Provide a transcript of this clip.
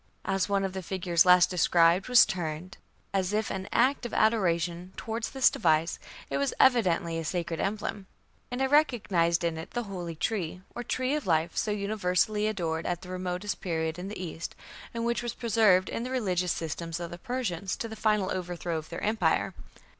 As one of the figures last described was turned, as if in act of adoration, towards this device, it was evidently a sacred emblem; and I recognized in it the holy tree, or tree of life, so universally adored at the remotest period in the East, and which was preserved in the religious systems of the Persians to the final overthrow of their Empire....